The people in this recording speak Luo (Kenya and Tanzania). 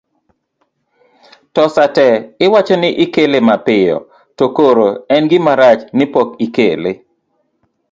to sate iwacho ni ikele mapiyo to koro en gima rach ni pok ikele